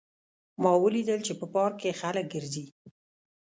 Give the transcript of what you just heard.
ما ولیدل چې په پارک کې خلک ګرځي